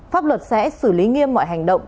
pháp luật sẽ xử lý nghiêm mọi hành động